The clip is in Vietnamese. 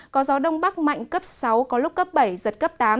có gió đông bắc mạnh cấp sáu có lúc cấp bảy giật cấp tám